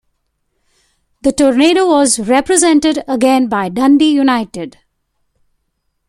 The Tornado was represented again by Dundee United.